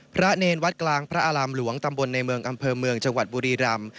เนรวัดกลางพระอารามหลวงตำบลในเมืองอำเภอเมืองจังหวัดบุรีรำ